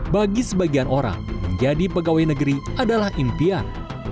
bagi sebagian orang menjadi pegawai negeri adalah impian